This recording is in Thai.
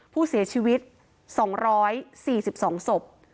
ผู้เสียชีวิต๒๔๒ศพ